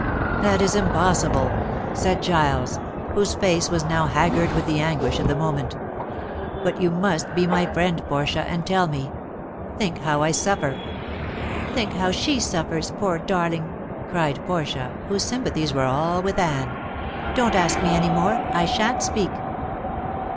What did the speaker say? "That is impossible," said Giles, whose face was now haggard with the anguish of the moment; "but you must be my friend, Portia, and tell me. Think how I suffer!" "Think how she suffers, poor darling!" cried Portia, whose sympathies were all with Anne. "Don't ask me any more. I shan't speak."